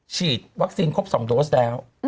ฉีดวัคซีนครบ๒โดสแล้ว